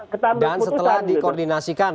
ketambah keputusan dan setelah dikoordinasikan